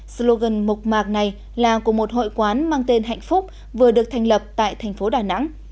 slogan mục mạc này là của một hội quán mang tên hạnh phúc vừa được thành lập tại thành phố đà nẵng